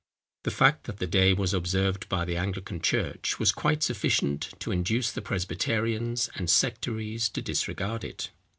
The fact that the day was observed by the Anglican church, was quite sufficient to induce the presbyterians and sectaries to disregard it.